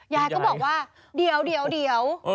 ยายก็บอกว่าเดี๋ยว